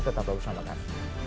tetap bersama kami